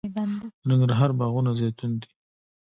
د ننګرهار باغونه زیتون دي